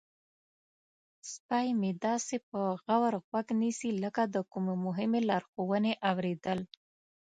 سپی مې داسې په غور غوږ نیسي لکه د کومې مهمې لارښوونې اوریدل.